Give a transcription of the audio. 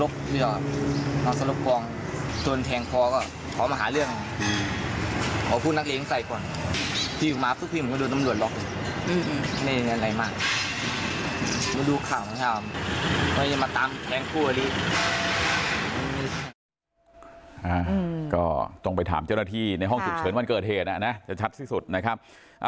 ก็ต้องไปถามเจ้าหน้าที่ในห้องฉุกเฉินวันเกิดเหตุนะจะชัดที่สุดนะครับ